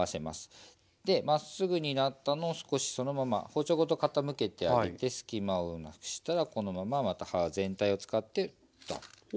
でまっすぐになったのを少しそのまま包丁ごと傾けてあげて隙間をなくしたらこのまままた刃全体を使ってザッと。